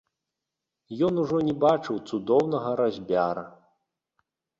Ён ужо не бачыў цудоўнага разьбяра.